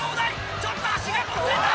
ちょっと足がもつれた！